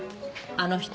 あの人